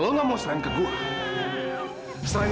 ngapain kamu kesini